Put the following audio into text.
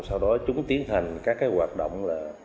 sau đó chúng tiến hành các hoạt động là